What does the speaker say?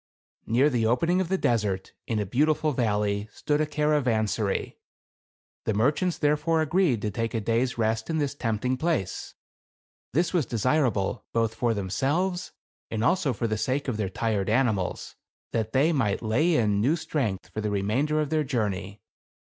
Near the opening of the desert, in a beautiful valley, stood a caravansary. The merchants therefore agreed to take a day's rest in this tempting place. This was desirable both for 190 THE CAB AVAN. themselves, and also for the sake of their fired animals, that they might lay in new strength for the remainder of their journey.